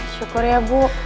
syukur ya bu